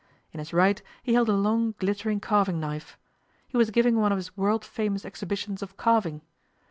In his right he held a long glittering carving knife. He was giving one of his world famous exhibitions of carving.